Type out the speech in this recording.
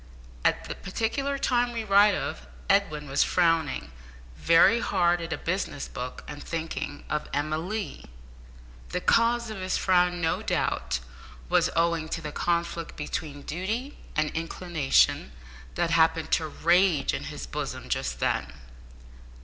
At the particular time we write of, Edwin was frowning very hard at a business book and thinking of Emma Lee. The cause of his frown, no doubt, was owing to the conflict between duty and inclination that happened to rage in his bosom just then.